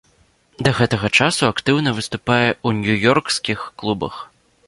Да гэтага часу актыўна выступае ў нью-ёркскіх клубах.